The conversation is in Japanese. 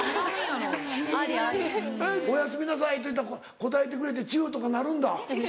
「おやすみなさい」って言うたら応えてくれてチュとかなるんだ。